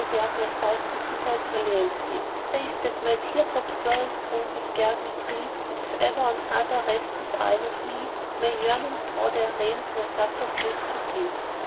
nor dared my sight to see thy brilliancy: Save that my tear drops sorest wound have garred me dree * Yea! and if e'er on other rest these eyne of me, May yearning draw their reins nor suffer sleep to see."